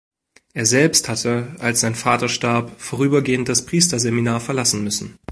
Er selbst hatte, als sein Vater starb, vorübergehend das Priesterseminar verlassen müssen.